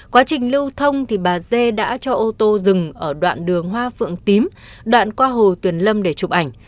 qua trình lưu thông bà z đã cho ô tô dừng ở đoạn đường hoa phượng tím đoạn qua hồ tuyệt lâm để chụp ảnh